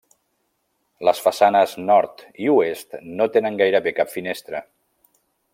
Les façanes nord i oest no tenen gairebé cap finestra.